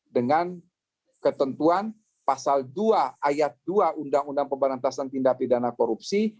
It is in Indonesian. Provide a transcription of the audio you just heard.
dengan ketentuan pasal dua ayat dua undang undang pemberantasan tindak pidana korupsi